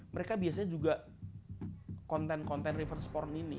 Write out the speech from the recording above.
mereka biasanya juga konten konten reverse form ini